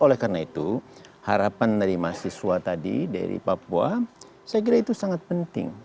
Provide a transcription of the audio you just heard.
oleh karena itu harapan dari mahasiswa tadi dari papua saya kira itu sangat penting